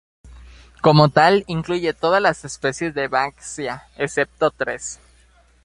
Como tal, incluye todas las especies de Banksia excepto tres.